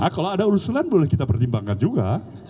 kalau ada usulan boleh kita pertimbangkan juga